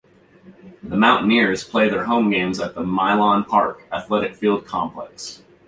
The Mountaineers play their home games at the Mylan Park Athletic Field Complex.